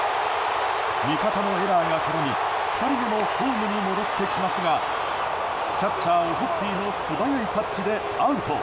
味方のエラーが絡み２人目もホームに戻ってきますがキャッチャー、オホッピーの素早いタッチでアウト。